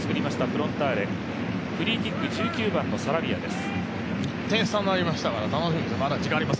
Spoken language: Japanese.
フリーキック、１９番のサラビアです